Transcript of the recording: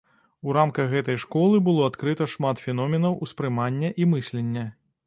У рамках гэтай школы было адкрыта шмат феноменаў ўспрымання і мыслення.